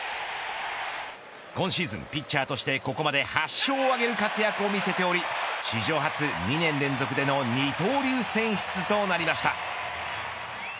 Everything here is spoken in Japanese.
今シーズン、ピッチャーとしてここまで８勝を挙げる活躍を見せており史上初、２年連続での二刀流選出となりました。